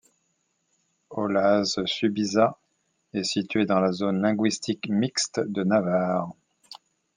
Olaz-Subiza est situé dans la zone linguistique mixte de Navarre.